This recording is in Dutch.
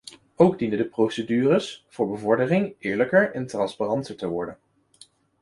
Ook dienen de procedures voor bevordering eerlijker en transparanter te worden.